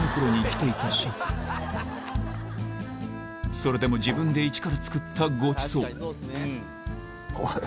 それでも自分で一から作ったごちそう確かにそうですね。